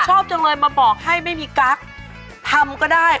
ชอบจังเลยมาบอกให้ไม่มีกั๊กทำก็ได้